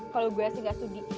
kalau gue sih gak sedih